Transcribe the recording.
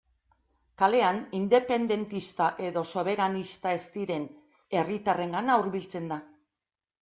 Kalean independentista edo soberanista ez diren herritarrengana hurbiltzen da.